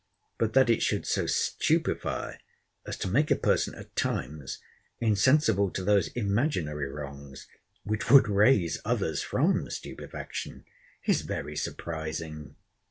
But that it should so stupify, as to make a person, at times, insensible to those imaginary wrongs, which would raise others from stupifaction, is very surprising!